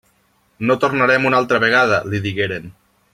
«No tornarem una altra vegada», li digueren.